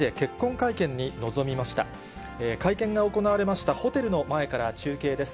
会見が行われましたホテルの前から中継です。